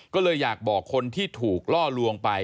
ก็เลยอยากบอกคนที่ถูกล่อลวงไป